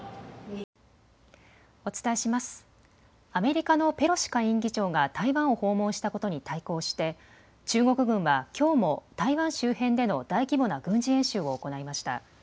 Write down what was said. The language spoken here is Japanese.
アメリカのペロシ下院議長が台湾を訪問したことに対抗して中国軍はきょうも台湾周辺での大規模な軍事演習を行いました。